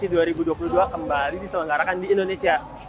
kembali di selenggarakan di indonesia